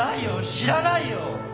知らないよ！